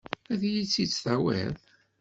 Ad iyi-tt-id-tawiḍ?